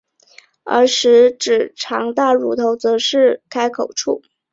而十二指肠大乳头则是肝胰壶腹的开口处。